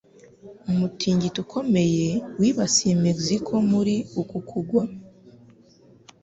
Umutingito ukomeye wibasiye Mexico muri uku kugwa.